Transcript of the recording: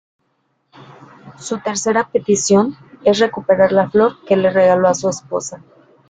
Su tercera petición es recuperar la flor que le regaló a su esposa.